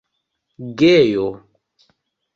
gejo